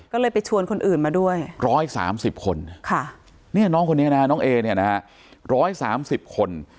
ก็เลยไปชวนคนอื่นมาด้วย๑๓๐คนน้องคนนี้นะฮะน้องเอเนี่ยนะฮะ๑๓๐คน